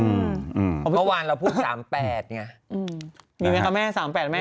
อืมอืมเมื่อวานเราพูดสามแปดไงอืมมีไหมคะแม่สามแปดแม่